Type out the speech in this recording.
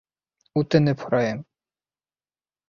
Үтенеп һорайым!